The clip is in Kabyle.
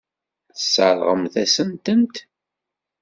Tesseṛɣemt-asent-tent.